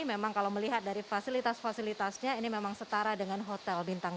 memang kalau melihat dari fasilitas fasilitasnya ini memang setara dengan hotel bintang